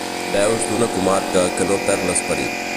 Veus d’una comarca que no perd l’esperit.